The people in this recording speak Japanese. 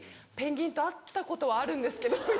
「ペンギンと会ったことはあるんですけど」